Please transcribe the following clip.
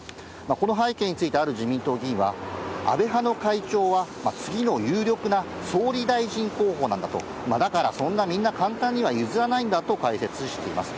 この背景について、ある自民党議員は、安倍派の会長は次の有力な総理大臣候補なんだと、だからそんなみんな簡単には譲らないんだと解説しています。